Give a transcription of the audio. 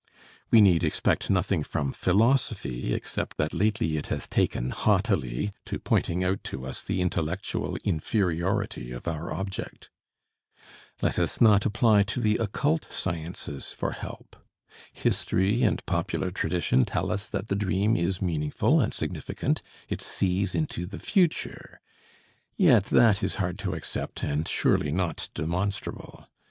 We need expect nothing from philosophy except that lately it has taken haughtily to pointing out to us the intellectual inferiority of our object. Let us not apply to the occult sciences for help. History and popular tradition tell us that the dream is meaningful and significant; it sees into the future. Yet that is hard to accept and surely not demonstrable.